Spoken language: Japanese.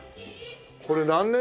これ何年代？